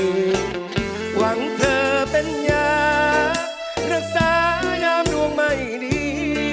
หวังเธอเป็นยารักษายามดวงไม่ดี